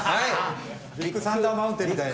ビッグサンダー・マウンテンみたいに。